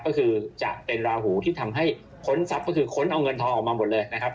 ก็คือจะเป็นราหูที่ทำให้ค้นทรัพย์ก็คือค้นเอาเงินทองออกมาหมดเลยนะครับ